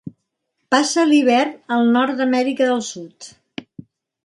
Passa l'hivern al nord d'Amèrica del Sud.